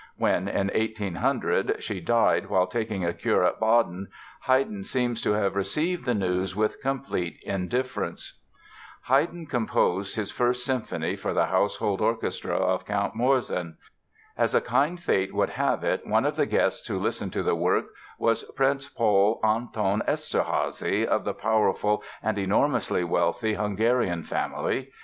When in 1800 she died while taking a cure at Baden, Haydn seems to have received the news with complete indifference. Haydn composed his first symphony for the household orchestra of Count Morzin. As a kind fate would have it one of the guests who listened to the work was Prince Paul Anton Eszterházy, of the powerful and enormously wealthy Hungarian family.